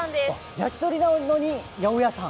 焼き鳥なのに、やおやさん。